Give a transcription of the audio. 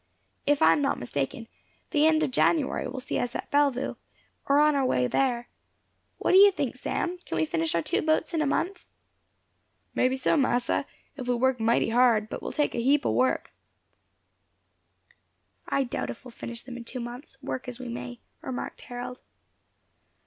If I am not mistaken, the end of January will see us at Bellevue, or on our way there. What do you think, Sam can we finish our two boats in a month?" "May be so, massa, if we work mighty hard; but it will take a heap o' work." "I doubt if we finish them in two months, work as we may," remarked Harold.